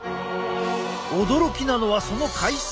驚きなのはその回数。